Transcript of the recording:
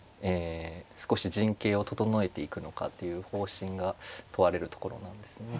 少し陣形を整えていくのかという方針が問われるところなんですね。